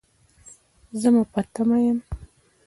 زه مو په تمه یم